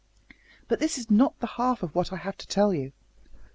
But this is not the half of what I have to tell you.